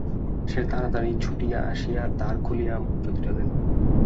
সে তাড়াতাড়ি ছুটিয়া আসিয়া দ্বার খুলিয়া মুদ্রা দুইটি লইল।